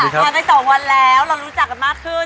ผ่านไป๒วันแล้วเรารู้จักกันมากขึ้น